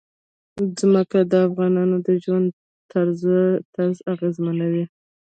ځمکه د افغانانو د ژوند طرز اغېزمنوي.